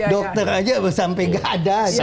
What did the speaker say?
dokter aja sampai nggak ada